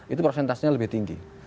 itu prosentasinya lebih tinggi